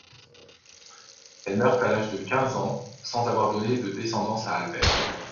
Elle meurt à l'âge de quinze ans, sans avoir donné de descendance à Albert.